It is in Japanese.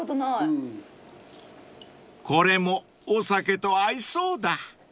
［これもお酒と合いそうだ］